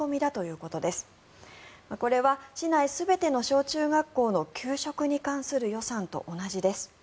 これは市内全ての小中学校の給食に関する予算と同じです。